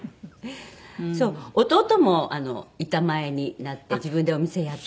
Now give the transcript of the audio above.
そう弟も板前になって自分でお店やってます。